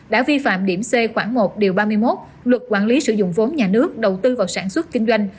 đã vi phạm điểm c khoảng một điều ba mươi một luật quản lý sử dụng vốn nhà nước đầu tư vào sản xuất kinh doanh